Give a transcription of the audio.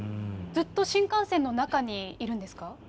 ずっと新幹線の中にいるんですか？